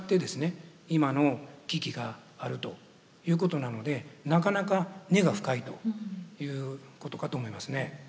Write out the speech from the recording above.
今の危機があるということなのでなかなか根が深いということかと思いますね。